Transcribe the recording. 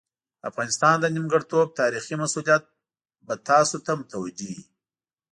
د افغانستان د نیمګړتوب تاریخي مسوولیت به تاسو ته متوجه وي.